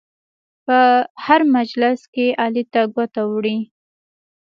په هر مجلس کې علي ته ګوته وړي.